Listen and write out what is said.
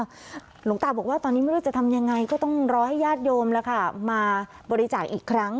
หลวงตาบอกว่าตอนนี้ไม่รู้จะทำยังไงก็ต้องรอให้ญาติโยมมาบริจาคอีกครั้ง